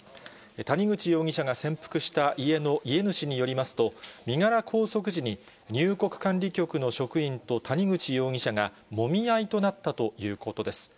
谷口容疑者が潜伏した家の家主によりますと、身柄拘束時に、入国管理局の職員と谷口容疑者が、もみ合いになったということです。